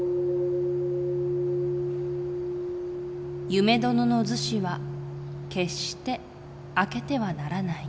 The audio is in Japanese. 「夢殿の厨子は決して開けてはならない。